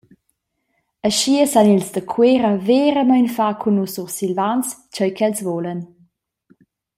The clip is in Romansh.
Aschia san ils da Cuera veramein far cun nus Sursilvans tgei ch’els vulan.